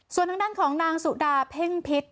ส่วนทางด้านของนางสุดาเพ่งพิษ